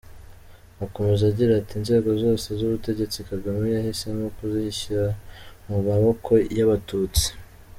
Akomeza agira ati “inzego zose z’ubutegetsi Kagame yahisemo kuzishyira mu maboko y’Abatutsi.”